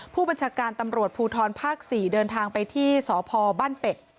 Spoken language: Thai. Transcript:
ผู้บัญชาการตำรวจภูทรภาค๔เดินทางไปที่สพบ้านเป็ด